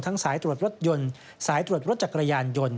สายตรวจรถยนต์สายตรวจรถจักรยานยนต์